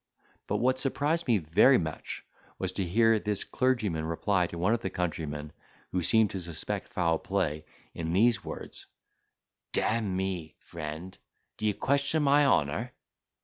But what surprised me very much, was to hear this clergyman reply to one of the countrymen, who seemed to suspect foul play, in these words: "D—n me, friend, d'ye question my honour?"